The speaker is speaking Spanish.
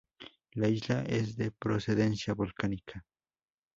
La isla es de procedencia volcánica.